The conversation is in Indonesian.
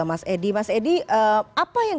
mas edi mas edi apa yang